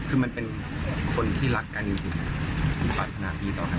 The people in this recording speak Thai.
คือมันเป็นคนที่รักกันจริงปรัฐนาดีตอนนั้น